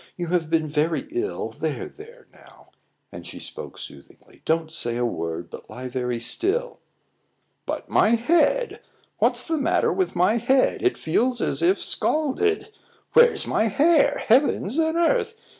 "You have been very ill; there, there, now!" And she spoke soothingly. "Don't say a word, but lie very still." "But my head! What's the matter with my head? It feels as if scalded. Where's my hair? Heavens and earth!